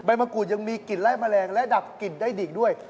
มะกรูดยังมีกลิ่นไล่แมลงและดับกลิ่นได้ดีด้วย